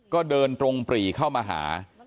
เค้าเดินตรงปลี่เข้ามาหา